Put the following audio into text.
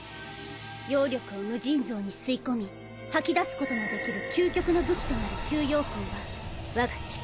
妖力を無尽蔵に吸い込み吐き出すことのできる究極の武器となる吸妖魂は我が父